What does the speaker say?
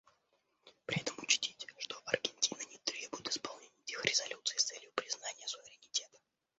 При этом учтите, что Аргентина не требует исполнения этих резолюций с целью признания суверенитета.